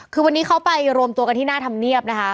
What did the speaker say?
คือวันนี้เขาไปรวมตัวกันที่หน้าธรรมเนียบนะคะ